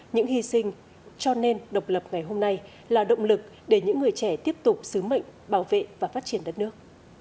những hy sinh cho nên độc lập ngày hôm nay là động lực để những người trẻ tiếp tục sứ mệnh bảo vệ và phát triển đất nước